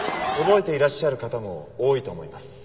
覚えていらっしゃる方も多いと思います。